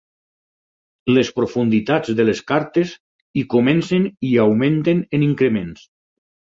Les profunditats de les cartes hi comencen i augmenten en increments.